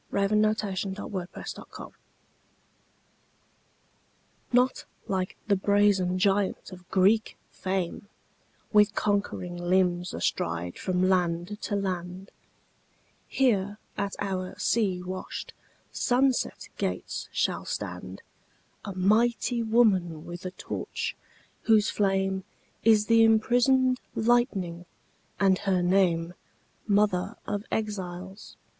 1917. The New Colossus Emma Lazarus NOT like the brazen giant of Greek fame, With conquering limbs astride from land to land; Here at our sea washed, sunset gates shall standA mighty woman with a torch, whose flameIs the imprisoned lightning, and her nameMother of Exiles.